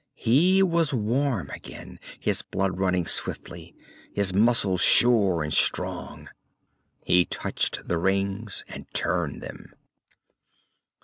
He was warm again, his blood running swiftly, his muscles sure and strong. He touched the rings and turned them.